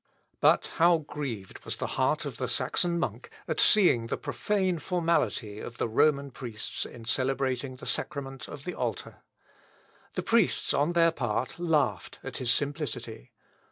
But how grieved was the heart of the Saxon monk, at seeing the profane formality of the Roman priests in celebrating the sacrament of the altar. The priests, on their part, laughed at his simplicity.